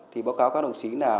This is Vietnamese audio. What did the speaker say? thì báo cáo các đồng chí là